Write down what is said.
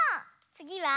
つぎは。